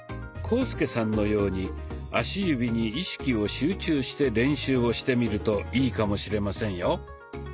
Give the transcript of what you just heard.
浩介さんのように足指に意識を集中して練習をしてみるといいかもしれませんよ。